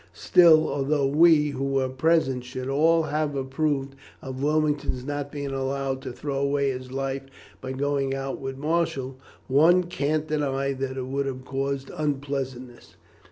Still, although we, who were present, should all have approved of Wilmington's not being allowed to throw away his life by going out with Marshall, one can't deny that it would have caused unpleasantness.